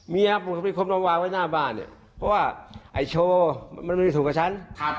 เมียปู่เป็นคนมาวางไว้หน้าบ้านเนี่ยเพราะว่าไอ้โชว์มันมีถูกกับฉัน